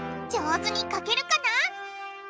上手に描けるかな？